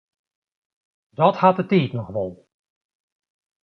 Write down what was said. Dat hat de tiid noch wol.